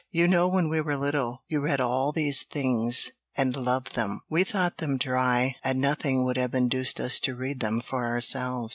"You know when we were little you read all these things, and loved them; we thought them dry, and nothing would have induced us to read them for ourselves.